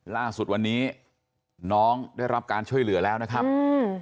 ล่าสุดวันนี้น้องได้รับการช่วยเหลือแล้วนะครับอืม